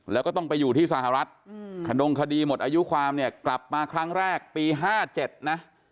แล้วก็ต้องไปอยู่ที่สหรัฐขนงคดีหมดอายุความเนี่ยกลับมาครั้งแรกปี๕๗นะ